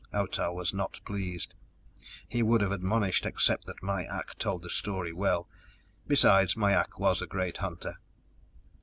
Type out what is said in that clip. Otah was not pleased. He would have admonished, except that Mai ak told a story well; besides, Mai ak was a great hunter.